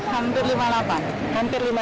hampir lima puluh delapan hampir